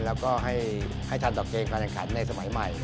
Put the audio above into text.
แล้วก็ให้ทันต่อเกณฑ์ความสำคัญในสมัยใหม่